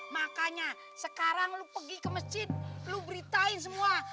makanya sekarang lu pergi ke masjid lu beritain semua